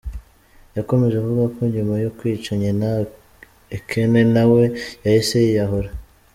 Yakomeje avuga ko nyuma yo kwica nyina Ekene na we yahise yiyahura.